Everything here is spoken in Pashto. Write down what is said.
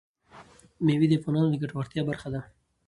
مېوې د افغانانو د ګټورتیا برخه ده.